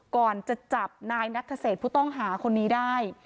ก่อนจะจับนายนัทเศษผู้ต้องหาคนนี้ได้